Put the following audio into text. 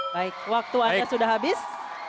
baik waktu anda sudah habis